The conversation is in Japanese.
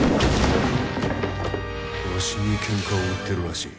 わしにけんかを売ってるらしい。